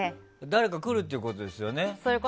誰か来るってことですね。